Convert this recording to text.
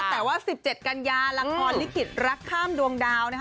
แต่ว่า๑๗กันยาละครลิขิตรักข้ามดวงดาวนะคะ